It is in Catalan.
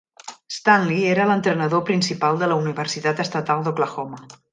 Stanley era l'entrenador principal de la Universitat Estatal d'Oklahoma.